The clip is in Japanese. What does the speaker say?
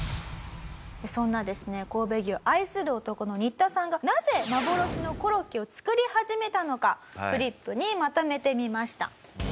そんなですね神戸牛を愛する男のニッタさんがなぜ幻のコロッケを作り始めたのかフリップにまとめてみました。